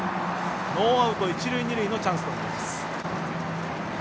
ノーアウト、一塁二塁のチャンスになります。